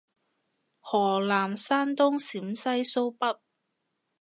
河南山東陝西蘇北